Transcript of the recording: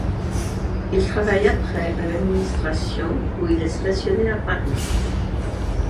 Il travaille après à l’administration où il est stationné à Paris.